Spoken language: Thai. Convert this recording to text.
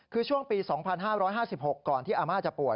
คือช่วงปี๒๕๕๖ก่อนที่อาม่าจะป่วย